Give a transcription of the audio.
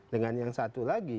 dengan yang satu lagi